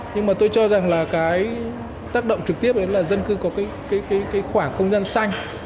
nhưng mà tôi cho rằng là cái tác động trực tiếp đến là dân cư có cái khoảng không gian xanh